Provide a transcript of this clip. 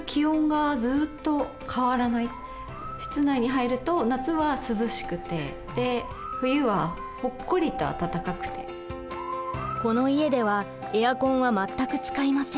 室内に入るとこの家ではエアコンは全く使いません。